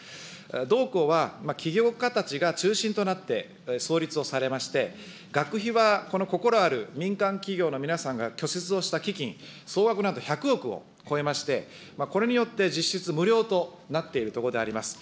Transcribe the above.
同校は起業家たちが中心となって、創立をされまして、学費は、この心ある民間企業の皆さんが拠出をした基金、総額なんと１００億を超えまして、これによって実質無料となっているところであります。